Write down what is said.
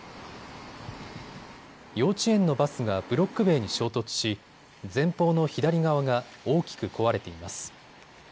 幼稚園のバスがブロック塀に衝突し前方の左側が大きく壊れています。